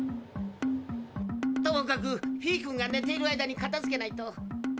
ともかくフィー君が寝ている間にかたづけないと。